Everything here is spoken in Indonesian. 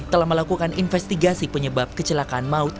telah melakukan investigasi penyebab kecelakaan maut